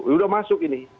sudah masuk ini